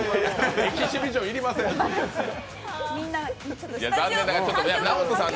エキシビジョン要りません。